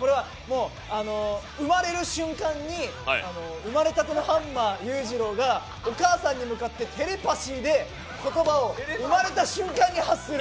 これはもう生まれる瞬間に生まれたての範馬勇次郎がお母さんに向かってテレパシーに、生まれた瞬間に言葉はを発する。